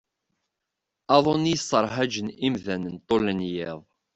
Aḍu-nni yesserhajen imdaden ṭul n yiḍ.